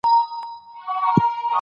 ازادي راډیو د اقلیم اړوند مرکې کړي.